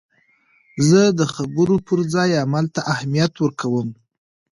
زه د خبرو پر ځای عمل ته اهمیت ورکوم.